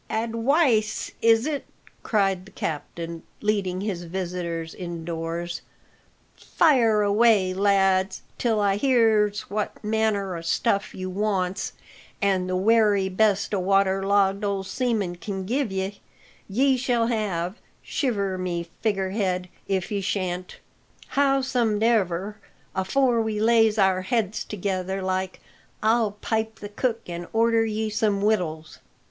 "Adwice is it?" cried the captain, leading his visitors indoors; "fire away, lads, till I hears what manner o' stuff you wants, and the wery best a water logged old seaman can give ye, ye shall have shiver my figger head if ye shan't! Howsomedever, afore we lays our heads together like, I'll pipe the cook and order ye some wittles."